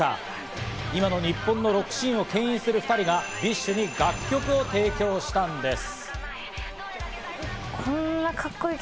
今の日本のロックシーンを牽引する２人がＢｉＳＨに楽曲を提供したんです。